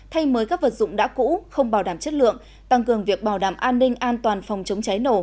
thay mới các vật dụng đã cũ không bảo đảm chất lượng tăng cường việc bảo đảm an ninh an toàn phòng chống cháy nổ